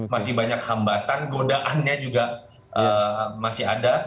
masih banyak hambatan godaannya juga masih ada